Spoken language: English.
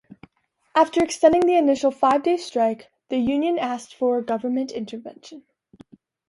After extending the initial five-day strike, the union asked for government intervention.